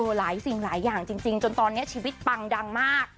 หลายสิ่งหลายอย่างจริงจนตอนนี้ชีวิตปังดังมาก